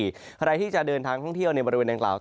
ใครที่จะเดินทางท่องเที่ยวในบริเวณดังกล่าว